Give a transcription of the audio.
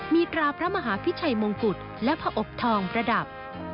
มีตราพระมหาพิชัยมงกุฎและพระอบทองประดับ